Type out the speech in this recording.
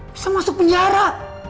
bisa masuk penjara